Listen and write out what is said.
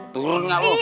turun gak lu